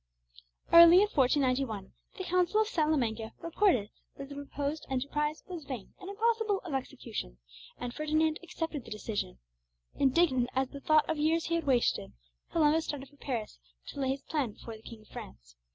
Early in 1491 the council of Salamanca reported that the proposed enterprise was vain and impossible of execution, and Ferdinand accepted the decision. Indignant at thought of the years he had wasted, Columbus started for Paris, to lay his plan before the King of France.